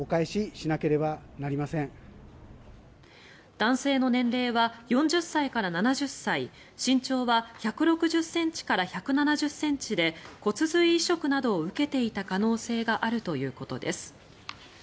男性の年齢は４０歳から７０歳身長は１６０ｃｍから１７０ｃｍで骨髄移植などを受けていた可能性があるということです。